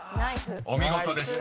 ［お見事でした。